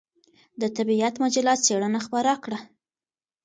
د طبعیت مجله څېړنه خپره کړه.